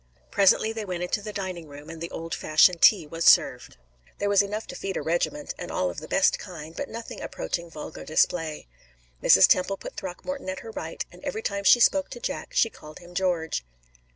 Presently they went into the dining room, and the old fashioned tea was served. There was enough to feed a regiment, and all of the best kind, but nothing approaching vulgar display. Mrs. Temple put Throckmorton at her right, and every time she spoke to Jack she called him George.